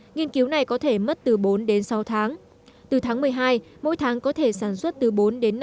nghiên cứu này có thể mất từ bốn đến sáu tháng từ tháng một mươi hai mỗi tháng có thể sản xuất từ bốn đến năm mươi